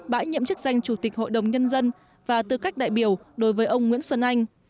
bãi nhiệm chức danh chủ tịch hội đồng nhân dân và tư cách đại biểu đối với ông nguyễn xuân anh